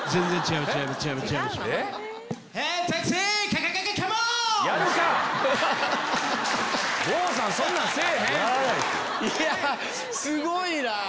いやすごいな。